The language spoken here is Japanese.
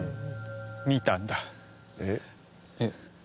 見たんだえっ